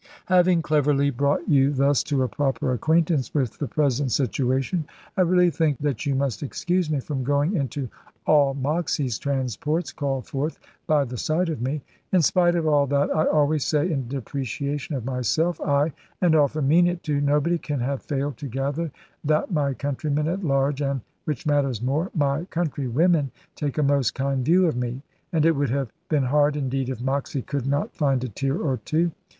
Having cleverly brought you thus to a proper acquaintance with the present situation, I really think that you must excuse me from going into all Moxy's transports, called forth by the sight of me. In spite of all that, I always say in depreciation of myself (ay, and often mean it too), nobody can have failed to gather that my countrymen at large, and (which matters more) my countrywomen, take a most kind view of me. And it would have been hard indeed if Moxy could not find a tear or two.